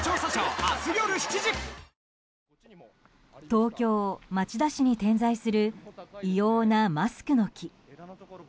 東京・町田市に点在する異様なマスクの木。